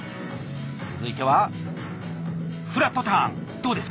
続いてはフラットターンどうですか？